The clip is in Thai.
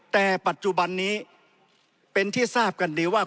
แต่ปัจจุบันนี้เป็นที่ทราบกันดีว่า